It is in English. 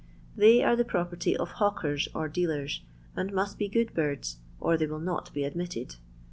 They are the pro perty of hawkers or dealers, and must be good birds, or they will not be admitted.